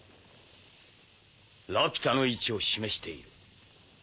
ラピュタの位置を示している。